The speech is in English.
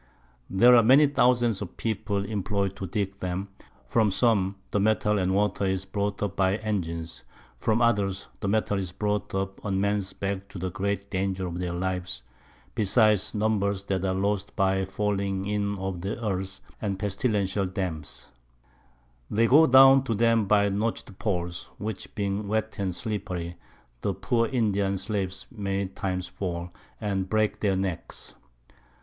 There are many thousands of People imploy'd to dig 'em, from some the Metal and the Water is brought up by Engines, and from others the Metal is brought up on Mens Backs to the great Danger of their Lives, besides Numbers that are lost by the falling in of the Earth, and pestilential Damps: They go down to them by notch'd Poles, which being wet and slippery, the poor Indian Slaves many times fall, and break their Necks.